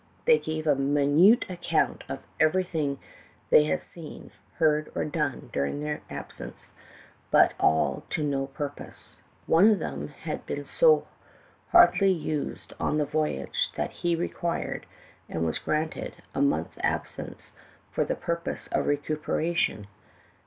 They gave a minute account of everything they had seen, heard or done during their absence, but all to no pur pose. One of them had been so hardly used on the voyage that he required, and was granted, a month's absence for the purpose of recuperation.